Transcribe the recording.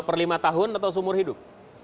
per lima tahun atau seumur hidup